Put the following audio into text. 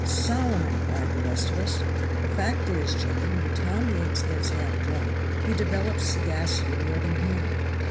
'Solomon!' cried the rest of us. The fact is, Jenny, when Tom Yates gets half drunk he develops sagacity more than human.